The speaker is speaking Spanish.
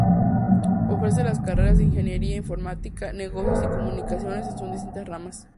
Ofrece las carreras de Ingeniera, Informática, Negocios y Comunicaciones en sus distintas ramas.